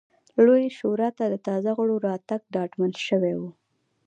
لویې شورا ته د تازه غړو راتګ ډاډمن شوی و